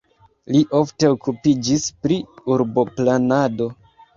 Li ofte okupiĝis pri urboplanado.